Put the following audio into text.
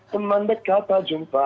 teman dekat tak jumpa